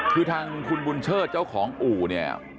คือทางคุณบุญเชิดเจ้าของอู่เนี่ย